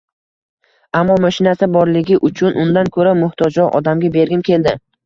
Ammo moshinasi borligi uchun undan koʻra muhtojroq odamga bergim keldi